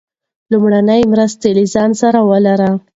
لومړنۍ مرستې له ځان سره ولرئ.